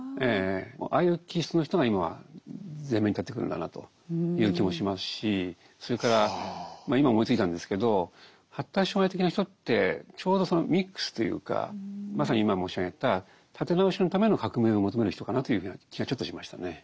ああいう気質の人が今は前面に立ってくるんだなという気もしますしそれから今思いついたんですけど発達障害的な人ってちょうどそのミックスというかまさに今申し上げた立て直しのための革命を求める人かなという気がちょっとしましたね。